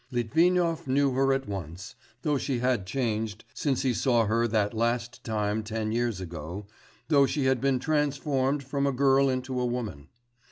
Litvinov knew her at once, though she had changed since he saw her that last time ten years ago, though she had been transformed from a girl into a woman.